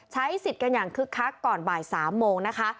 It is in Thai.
ใช้สิทธิ์กันอย่างคึกคักก่อนบ่าย๓โมงนะคะ